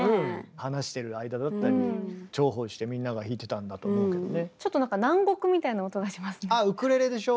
話してる間だったり重宝してみんなが弾いてたんだと思うけどね。